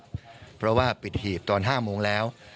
ไม่สำคัญแล้วครับเพราะว่าฮีบตอนห้าโมงแล้ว